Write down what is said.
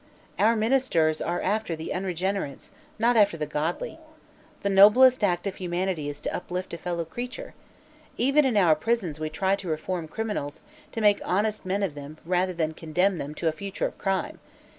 Our ministers are after the unregenerates, not after the godly. The noblest act of humanity is to uplift a fellow creature. Even in our prisons we try to reform criminals, to make honest men of them rather than condemn them to a future of crime.